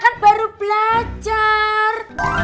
kan baru belajar